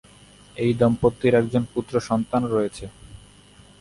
এই দম্পতির একজন পুত্র সন্তান রয়েছে।